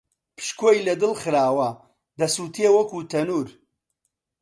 پشکۆی لە دڵ خراوە، دەسووتێ وەکوو تەنوور